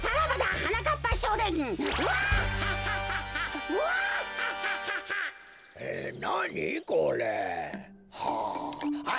はあ。